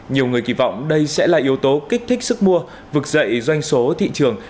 nhiều người kỳ vọng đây sẽ là yếu tố kích thích sức mua vực dậy doanh số thị trường